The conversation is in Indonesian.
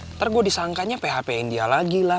nanti gue disangkanya php in dia lagi lah